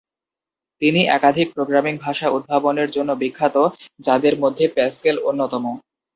তিনি একাধিক প্রোগ্রামিং ভাষা উদ্ভাবনের জন্য বিখ্যাত, যাদের মধ্যে প্যাসকেল অন্যতম।